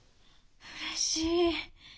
うれしい！